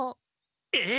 えっ？